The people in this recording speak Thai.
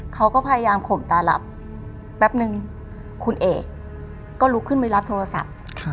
เขาก็พยายามข่มตาหลับแป๊บนึงคุณเอกก็ลุกขึ้นไปรับโทรศัพท์